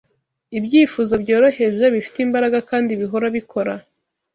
Ibyifuzo byoroheje, bifite imbaraga kandi bihora bikora